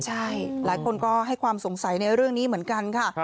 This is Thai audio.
ใช่หลายคนก็ให้ความสงสัยในเรื่องนี้เหมือนกันค่ะ